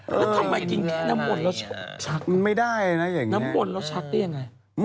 แล้วทำไมกินแค่น้ำมนต์แล้วชักมันไม่ได้นะอย่างนี้น้ำมนต์แล้วชักได้ยังไง